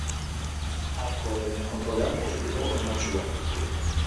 Alkoholemia kontrolean positibo eman zuen.